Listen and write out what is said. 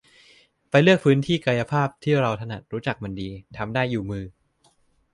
ไปเลือกพื้นที่กายภาพที่เราถนัด รู้จักมันดี ทำได้อยู่มือ